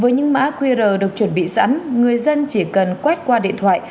với những mã qr được chuẩn bị sẵn người dân chỉ cần quét qua điện thoại